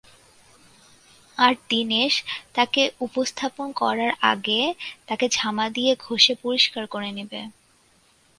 আর দীনেশ, তাকে উপস্থাপন করার আগে তাকে ঝামা দিয়ে ঘষে পরিষ্কার করে নিবে।